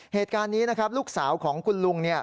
เหตุการณ์นี้ลูกสาวของคุณลุง